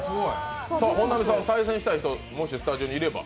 本並さんと対戦したい人、もしスタジオにいれば。